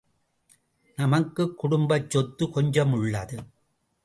நமக்குக் குடும்பச்சொத்து கொஞ்சம் உள்ளது.